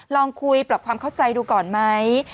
ลองคุยปรับความเข้าใจดูก่อนไหม